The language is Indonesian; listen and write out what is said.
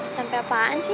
sampai apaan sih